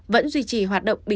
vẫn duy trì